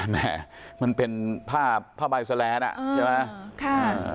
แต่แหมมันเป็นผ้าผ้าใบแสลนอ่ะใช่ไหมค่ะ